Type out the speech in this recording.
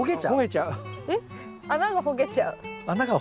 穴がほげちゃう？